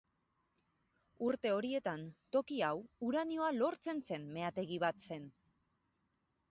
Urte horietan, toki hau uranioa lortzen zen meategi bat zen.